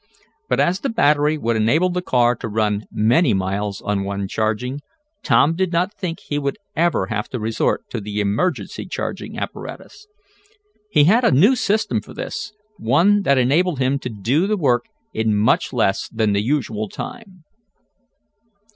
But as the battery would enable the car to run many miles on one charging, Tom did not think he would ever have to resort to the emergency charging apparatus. He had a new system for this, one that enabled him to do the work in much less than the usual time.